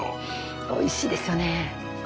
おいしいですよね。